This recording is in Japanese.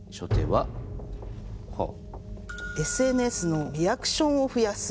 「ＳＮＳのリアクションを増やす」。